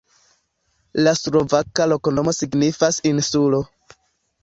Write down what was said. La slovaka loknomo signifas: insulo.